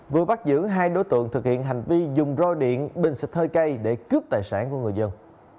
vừa bắt giữ hai đối tượng thực hiện hành vi dùng roi điện bình xịt hơi cây để cướp tài sản của người dân